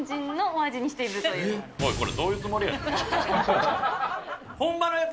おい、これどういうつもりや！